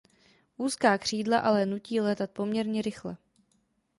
Úzká křídla je ale nutí létat poměrně rychle.